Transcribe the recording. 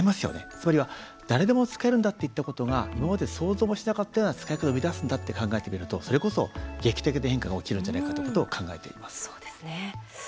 つまりは誰でも使えるんだっていったことが今まで想像もしてなかったような使い方を生み出すんだって考えてみると、それこそ劇的な変化が起きるんじゃないかそうですね。